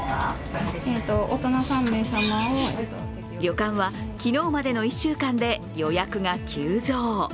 旅館は昨日までの１週間で予約が急増。